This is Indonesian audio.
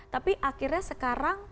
tapi akhirnya sekarang